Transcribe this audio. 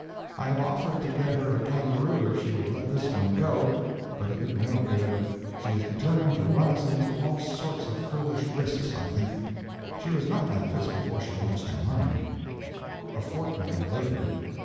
I have offered to get her a kangaroo if she would let this one go, but it did no good she is determined to run us into all sorts of foolish risks, I think. She was not like this before she lost her mind. A FORTNIGHT LATER.